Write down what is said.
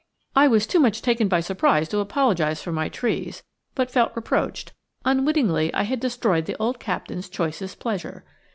I was too much taken by surprise to apologize for my trees, but felt reproached; unwittingly I had destroyed the old captain's choicest pleasure.